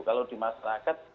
kalau di masyarakat